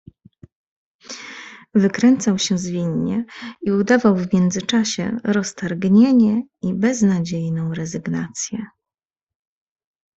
"Wykręcał się zwinnie i udawał w międzyczasie roztargnienie i beznadziejną rezygnację."